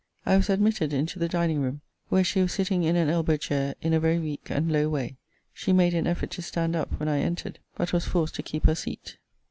I was admitted into the dining room, where she was sitting in an elbow chair, in a very weak and low way. She made an effort to stand up when I entered; but was forced to keep her seat.